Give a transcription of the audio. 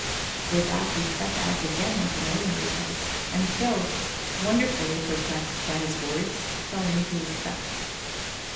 With that, he set out again but at an ordinary pace, and Phil, wonderfully perplexed by his words, fell into his step.